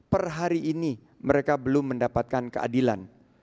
perhari ini mereka belum mendapatkan keadilan